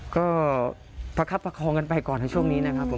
ก็ประคับประคองกันไปก่อนในช่วงนี้นะครับผม